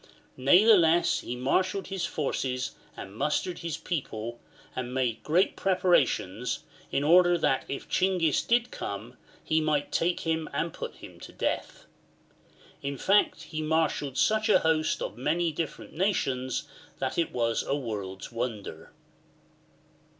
Natheless he marshalled his forces and mustered his people, and made great pre parations, in order that if Chinghis did come, he might take him and put him to death. In fact he marshalled such an host of many different nations that it was a world's wonder.